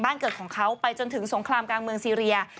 เกิดของเขาไปจนถึงสงครามกลางเมืองซีเรีย